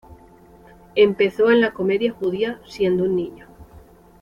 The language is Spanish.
Empezó en la comedia judía siendo un niño.